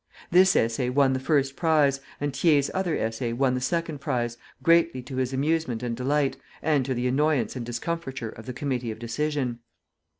This essay won the first prize; and Thiers' other essay won the second prize, greatly to his amusement and delight, and to the annoyance and discomfiture of the Committee of Decision.